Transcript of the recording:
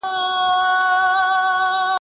سل په لالي پوري، دا يو ئې د بنگړو.